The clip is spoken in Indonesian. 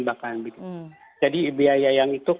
bahkan jadi biaya yang itu